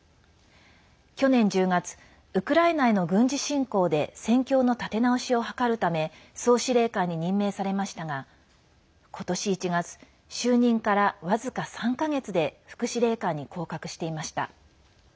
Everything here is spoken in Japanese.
去年１０月ウクライナへの軍事侵攻で戦況の立て直しを図るため総司令官に任命されましたが今年１月、就任から僅か３か月で副司令官に降格していました。